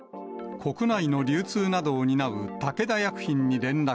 国内の流通などを担う武田薬品に連絡。